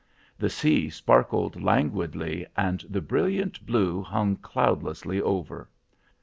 The sea sparkled languidly, and the brilliant blue hung cloudlessly over.